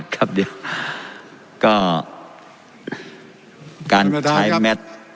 ครับเดี๋ยวก็การใช้แมท